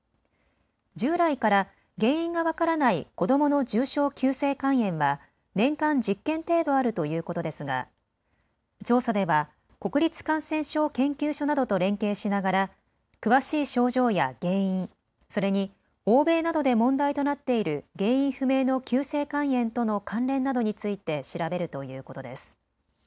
従来から原因が分からない子どもの重症急性肝炎は年間１０件程度あるということですが、調査では国立感染症研究所などと連携しながら詳しい症状や原因、それに欧米などで問題となっている原因不明の急性肝炎との関連などについて調べるということです。